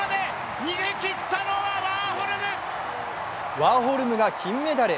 ワーホルムが金メダル。